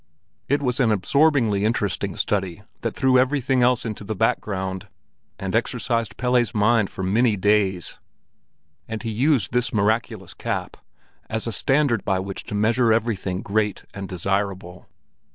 It was an absorbingly interesting study that threw everything else into the background, and exercised Pelle's mind for many days; and he used this miraculous cap as a standard by which to measure everything great and desirable.